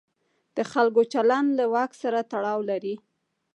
د خلکو چلند له واک سره تړاو لري.